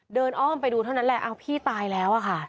อ้อมไปดูเท่านั้นแหละอ้าวพี่ตายแล้วอะค่ะ